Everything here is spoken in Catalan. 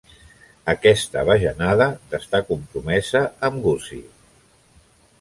Aquesta bajanada d'estar compromesa amb Gussie.